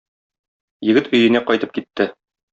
Егет өенә кайтып китте.